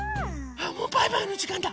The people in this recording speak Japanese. あっもうバイバイのじかんだ！